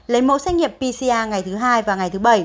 lấy mẫu xét nghiệm pcr ngày thứ hai và ngày thứ bảy